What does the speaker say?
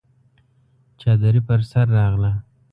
چادري پر سر راغله!